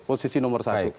posisi nomor satu